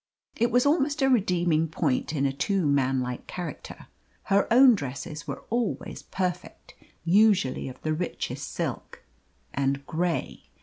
It was almost a redeeming point in a too man like character. Her own dresses were always perfect, usually of the richest silk and grey.